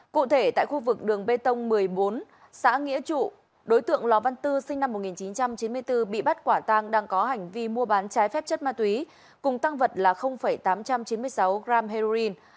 cụ thể tại khu vực đường bê tông một mươi bốn xã nghĩa trụ đối tượng lò văn tư sinh năm một nghìn chín trăm chín mươi bốn bị bắt quả tang đang có hành vi mua bán trái phép chất ma túy cùng tăng vật là tám trăm chín mươi sáu gram heroin